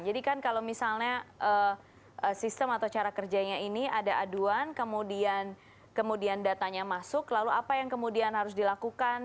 jadi kan kalau misalnya sistem atau cara kerjanya ini ada aduan kemudian datanya masuk lalu apa yang kemudian harus dilakukan